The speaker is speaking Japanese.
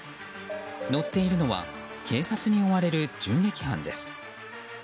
乗っているのは警察に追われる銃撃犯です。